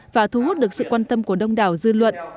và thu hút được sự quan tâm của đông đảo dư luận